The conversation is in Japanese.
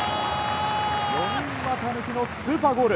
４人股抜きのスーパーゴール。